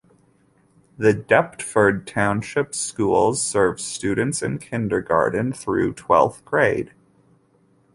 The Deptford Township Schools serve students in kindergarten through twelfth grade.